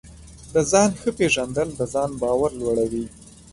د ځان ښه پېژندل د ځان باور لوړوي.